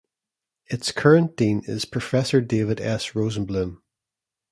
Its current dean is Professor David S. Rosenblum.